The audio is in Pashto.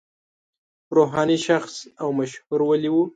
روحاني شخص او مشهور ولي و.